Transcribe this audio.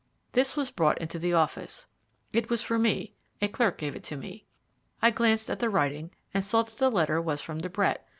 This was brought into the office. It was for me; a clerk gave it to me. I glanced at the writing, and saw that the letter was from De Brett.